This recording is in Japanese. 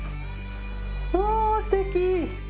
うわぁすてき。